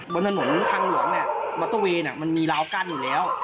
บนถนนทางหลวงเนี่ยมอเตอร์เวย์มันมีราวกั้นอยู่แล้ว